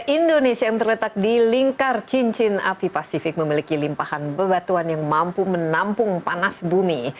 indonesia yang terletak di lingkar cincin api pasifik memiliki limpahan bebatuan yang mampu menampung panas bumi